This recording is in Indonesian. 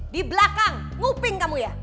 di belakang nguping kamu ya